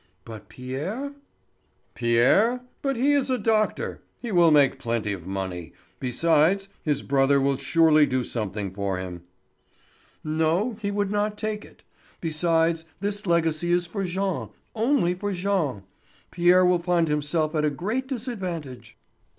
"But Pierre?" "Pierre? But he is a doctor; he will make plenty of money; besides, his brother will surely do something for him." "No, he would not take it. Besides, this legacy is for Jean, only for Jean. Pierre will find himself at a great disadvantage."